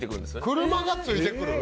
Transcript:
車がついてくる！？